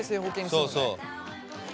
そうそう。